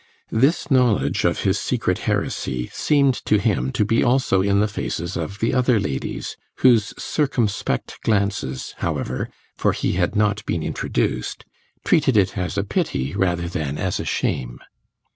This knowledge of his secret heresy seemed to him to be also in the faces of the other ladies, whose circumspect glances, however (for he had not been introduced), treated it as a pity rather than as a shame.